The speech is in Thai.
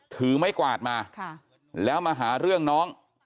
ถือไม้กวาดมาแล้วมาหาเรื่องน้อง